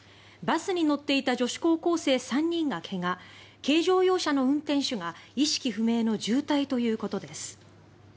バスに乗っていた女子高校生３人が怪我軽乗用車の運転手が意識不明の重体ということです。